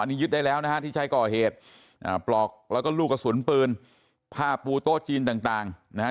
นี่ยึดได้แล้วนะฮะที่ใช้ก่อเหตุอ่าปลอกแล้วก็ลูกกระสุนปืนผ้าปูโต๊ะจีนต่างนะฮะ